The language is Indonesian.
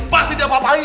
pasti dia ngapain